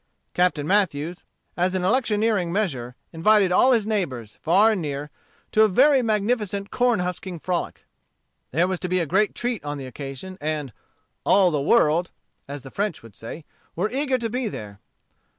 Captain Mathews, as an electioneering measure, invited all his neighbors, far and near, to a very magnificent corn husking frolic. There was to be a great treat on the occasion, and "all the world," as the French say, were eager to be there.